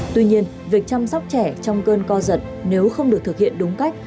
tuy nhiên việc chăm sóc trẻ trong cơn co giật nếu không được thực hiện đúng cách